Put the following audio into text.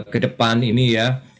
kedepan ini ya